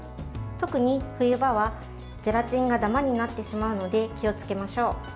特に冬場はゼラチンがダマになってしまうので気をつけましょう。